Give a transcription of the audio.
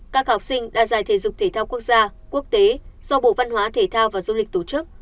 các học sinh đã giải thể dục thể thao quốc gia quốc tế do bộ văn hóa thể thao và du lịch tổ chức